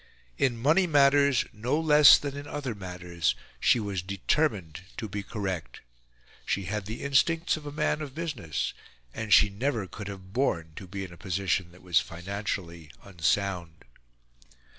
In money matters, no less than in other matters, she was determined to be correct. She had the instincts of a man of business; and she never could have borne to be in a position that was financially unsound.